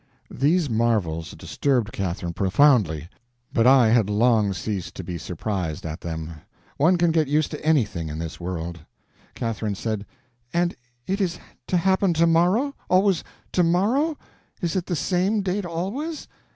These marvels disturbed Catherine profoundly, but I had long ceased to be surprised at them. One can get used to anything in this world. Catherine said: "And it is to happen to morrow?—always to morrow? Is it the same date always?